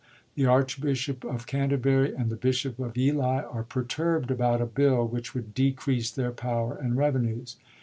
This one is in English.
The Archbishop of Canterbury and the Bishop of Ely are perturbd about a bill which would decrease their power and revenues.